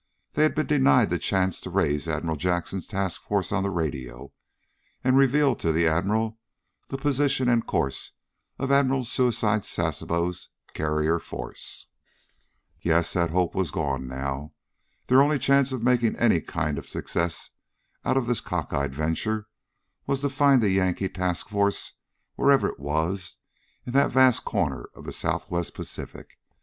They had been denied the chance to raise Admiral Jackson's task force on the radio and reveal to the Admiral the position and course of Admiral Suicide Sasebo's carrier force. Yes, that hope was gone now. Their only chance of making any kind of a success out of this cockeyed venture was to find the Yank task force wherever it was in that vast corner of the Southwest Pacific.